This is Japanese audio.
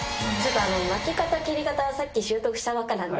巻き方切り方はさっき習得したばっかなんで。